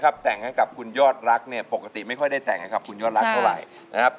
ของคุณยอดรักตู้ไรนะครับ